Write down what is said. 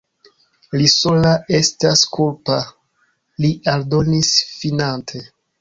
Li sola estas kulpa, li aldonis finante.